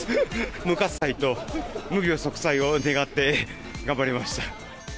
無火災と無病息災を願って、頑張りました。